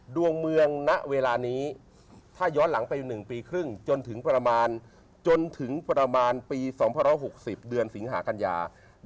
ดวงเมืองณเวลานี้ถ้าย้อนหลังไป๑ปีครึ่งจนถึงประมาณจนถึงประมาณปี๒๖๐เดือนสิงหากัญญา